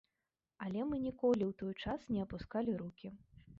Але мы ніколі ў той час не апускалі рукі.